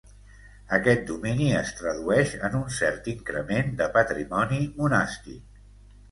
Aquest domini es tradueix en un cert increment de patrimoni monàstic.